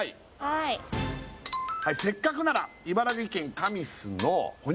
はい「せっかくなら茨城県神栖の」